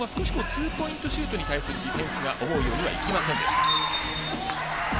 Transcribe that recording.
日本はツーポイントシュートに対するディフェンスが思うようにいきませんでした。